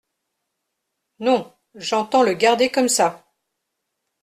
Non, j’entends le garder comme ça.